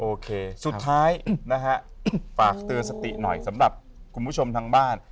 โอเคสุดท้ายนะฮะฝากเตือนสติหน่อยสำหรับคุณผู้ชมทางบ้าน